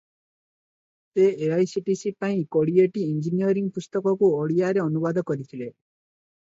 ସେ ଏଆଇସିଟିଇ ପାଇଁ କୋଡ଼ିଏଟି ଇଞ୍ଜିନିୟରିଂ ପୁସ୍ତକକୁ ଓଡ଼ିଆରେ ଅନୁବାଦ କରିଥିଲେ ।